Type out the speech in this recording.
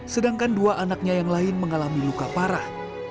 sedangkan dua anaknya yang lain mengalami luka parah